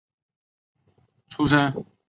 出身于滋贺县。